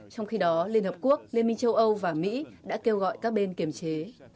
trong khi đó liên hợp quốc liên minh châu âu và mỹ đã kêu gọi các bên kiềm chế